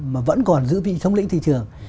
mà vẫn còn giữ vị thống lĩnh thị trường